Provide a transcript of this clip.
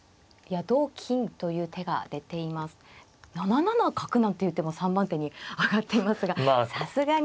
７七角なんていう手も３番手に挙がっていますがさすがに。